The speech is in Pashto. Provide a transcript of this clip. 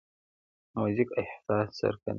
موزیک احساس څرګندوي.